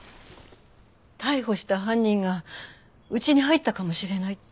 逮捕した犯人がうちに入ったかもしれない。